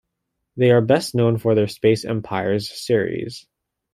They are best known for their "Space Empires" series.